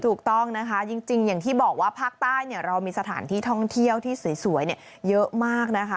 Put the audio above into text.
ถูกต้องนะคะจริงอย่างที่บอกว่าภาคใต้เรามีสถานที่ท่องเที่ยวที่สวยเยอะมากนะคะ